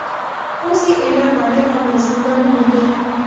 اوس یې ایله باڼه او وزرونه وموندل